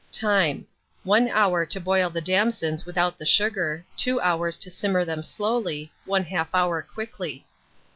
Time. 1 hour to boil the damsons without the sugar; 2 hours to simmer them slowly, 1/2 hour quickly.